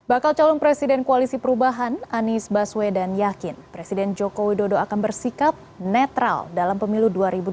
bakal calon presiden koalisi perubahan anies baswedan yakin presiden joko widodo akan bersikap netral dalam pemilu dua ribu dua puluh